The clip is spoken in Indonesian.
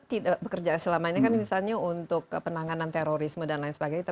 tidak bekerja selama ini kan misalnya untuk penanganan terorisme dan lain sebagainya